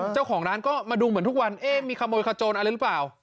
เจ้าของร้านก็มาดูเหมือนทุกวันเอ๊ะมีขโมยขโจรอะไรหรือเปล่า